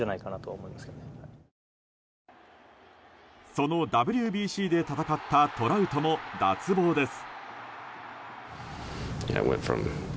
そのＷＢＣで戦ったトラウトも脱帽です。